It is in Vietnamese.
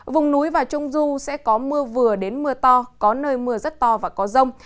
vùng núi và trung du sẽ có mưa vừa đến mưa to có nơi mưa rất to và có rông